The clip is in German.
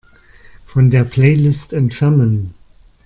Von der Playlist entfernen.